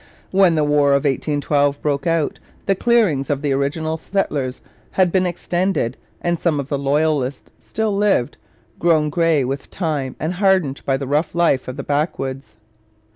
When the War of 1812 broke out the clearings of the original settlers had been extended, and some of the loyalists still lived, grown grey with time and hardened by the rough life of the backwoods.